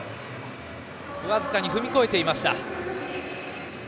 僅かに踏み越えていました。